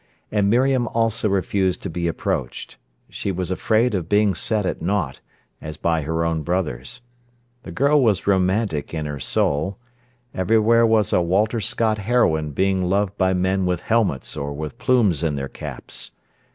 And Miriam also refused to be approached. She was afraid of being set at nought, as by her own brothers. The girl was romantic in her soul. Everywhere was a Walter Scott heroine being loved by men with helmets or with plumes in their caps.